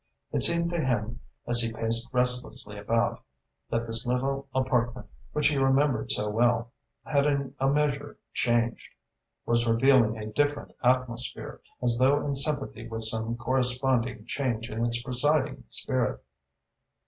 It seemed to him, as he paced restlessly about, that this little apartment, which he remembered so well, had in a measure changed, was revealing a different atmosphere, as though in sympathy with some corresponding change in its presiding spirit.